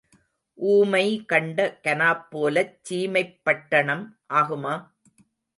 ஊமை கண்ட கனாப்போலச் சீமைப் பட்டணம் ஆகுமா?